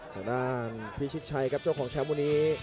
ทางด้านพิชิตชัยครับเจ้าของแชมป์วันนี้